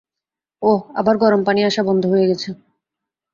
অহ, আবার গরম পানি আসা বন্ধ হয়ে গেছে।